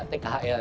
tenaga kerja tkhl